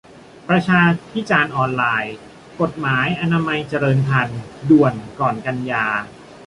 ประชาพิจารณ์ออนไลน์ - กฎหมายอนามัยเจริญพันธุ์ ด่วน ก่อนกันยา